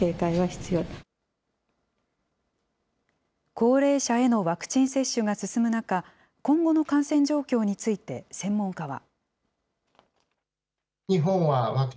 高齢者へのワクチン接種が進む中、今後の感染状況について、専門家は。